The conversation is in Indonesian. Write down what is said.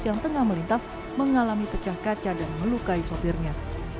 yang tengah melintas mengalami pecah kaca dan melukai sopirnya